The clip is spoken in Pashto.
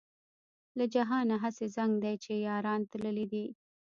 له جهانه هسې زنګ دی چې یاران تللي دي.